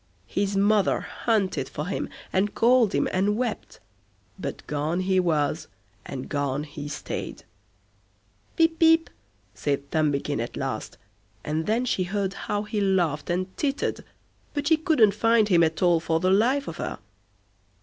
His mother hunted for him, and called him, and wept; but gone he was, and gone he stayed. "Pip, Pip", said Thumbikin at last; and then she heard how he laughed and tittered, but she couldn't find him at all for the life of her.